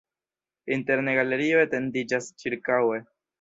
Interne galerio etendiĝas ĉirkaŭe.